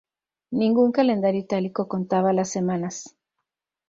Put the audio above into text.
Ningún calendario itálico contaba las semanas.